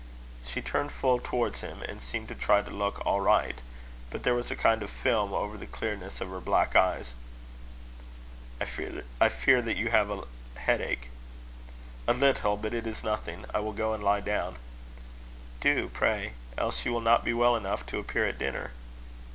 She turned full towards him, and seemed to try to look all right; but there was a kind of film over the clearness of her black eyes. "I fear you have headache." "A little, but it is nothing. I will go and lie down." "Do, pray; else you will not be well enough to appear at dinner."